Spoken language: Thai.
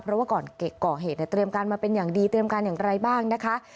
เพราะว่าก่อนก่อเหตุเนี่ยเตรียมการมาเป็นอย่างดีเตรียมการอย่างไรบ้างนะคะ